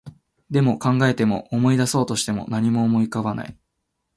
でも、考えても、思い出そうとしても、何も思い浮かばない